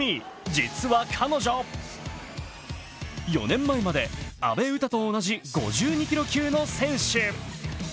実は彼女、４年前まで阿部詩と同じ５２キロ級の選手。